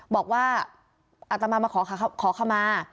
บอกว่าอัตมามาขอขมา